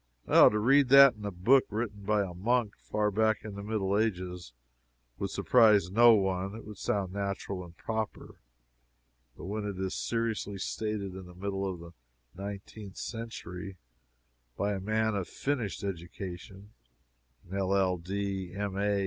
To read that in a book written by a monk far back in the Middle Ages, would surprise no one; it would sound natural and proper; but when it is seriously stated in the middle of the nineteenth century, by a man of finished education, an LL.D., M. A.